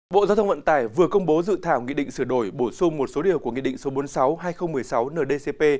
bộ giao thông vận tải vừa công bố dự thảo nghị định sửa đổi bổ sung một số điều của nghị định số bốn mươi sáu hai nghìn một mươi sáu ndcp